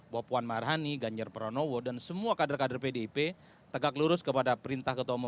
bahwa puan maharani ganjar pranowo dan semua kader kader pdip tegak lurus kepada perintah ketua umum